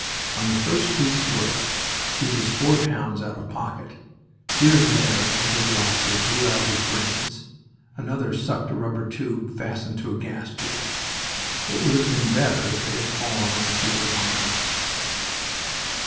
On the first week's work he was four pounds out of pocket... Here and there an elderly officer blew out his brains. Another sucked a rubber tube fastened to the gas jet... It would have been better if they had fallen on the field of honor.